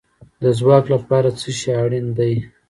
د ځواک لپاره څه شی اړین دی؟